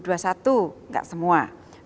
dua ribu dua puluh satu enggak semua